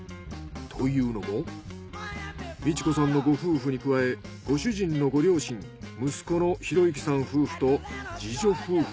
というのも道子さんのご夫婦に加えご主人のご両親息子の裕幸さん夫婦と次女夫婦。